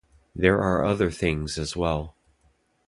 There are other things as well.